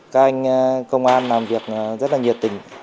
các anh công an làm việc rất là nhiệt tình